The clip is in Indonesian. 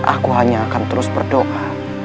aku hanya akan terus berdoa